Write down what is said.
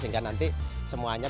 sehingga nanti semuanya